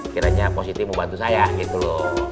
kiranya positif mau bantu saya gitu loh